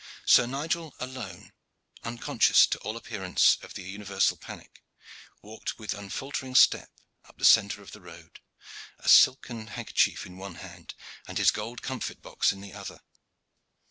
Sir Nigel alone, unconscious to all appearance of the universal panic, walked with unfaltering step up the centre of the road, a silken handkerchief in one hand and his gold comfit box in the other.